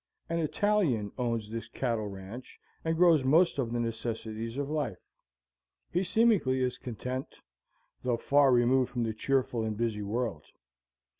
An Italian owns this cattle ranch and grows most of the necessities of life; he seemingly is content, though far removed from the cheerful and busy world.